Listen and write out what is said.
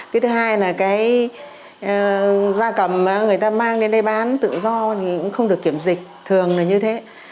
cái thứ hai là cái da cầm người ta mang đến đây bán tự do thì cũng không được kiểm dịch thường là như thế